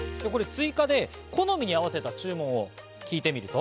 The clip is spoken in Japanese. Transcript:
追加で好みに合わせた注文を聞いてみると。